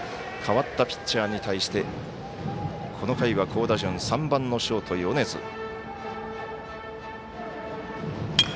代わったピッチャーに対してこの回は好打順３番ショートの米津。